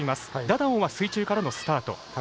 ダダオンは水中からのスタート。